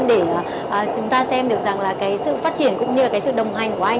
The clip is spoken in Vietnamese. để chúng ta xem được sự phát triển cũng như sự đồng hành của anh